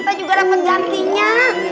nanti juga dapat gantinya